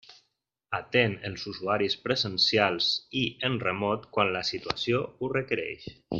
Atén els usuaris presencials i en remot, quan la situació ho requereix.